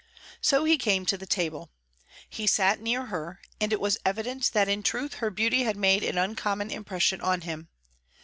So he came to the table. He sat near her, and it was evident that in truth her beauty had made an uncommon impression on him.